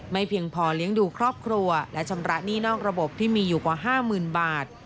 เพียงพอเลี้ยงดูครอบครัวและชำระหนี้นอกระบบที่มีอยู่กว่า๕๐๐๐บาท